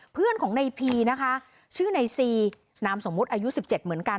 เพื่อนของในพีนะคะชื่อในซีนามสมมุติอายุ๑๗เหมือนกัน